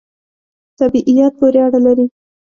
طبعیت پوری اړه لری